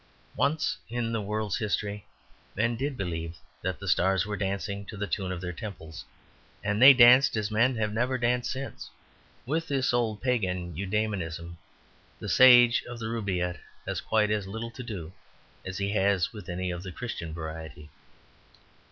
Once in the world's history men did believe that the stars were dancing to the tune of their temples, and they danced as men have never danced since. With this old pagan eudaemonism the sage of the Rubaiyat has quite as little to do as he has with any Christian variety.